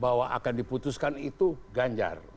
bahwa akan diputuskan itu ganjar